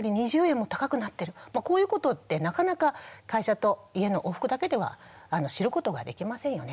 こういうことってなかなか会社と家の往復だけでは知ることができませんよね。